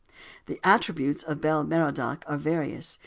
The attributes of Bel Merodach are various.